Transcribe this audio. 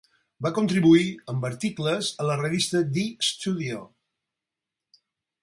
Va contribuir amb articles a la revista The Studio.